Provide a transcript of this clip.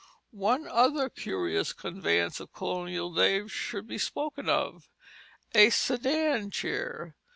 One other curious conveyance of colonial days should be spoken of, a sedan chair.